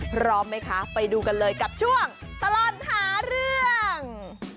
พร้อมไหมคะไปดูกันเลยกับช่วงตลอดหาเรื่อง